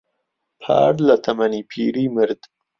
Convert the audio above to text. پار لە تەمەنی پیری مرد.